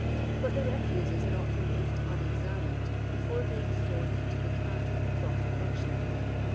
But the refuse is not removed unexanuncd before being thrown into the cart of the proper ! functionar}'.